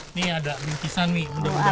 ini ada bingkisan nih mudah mudahan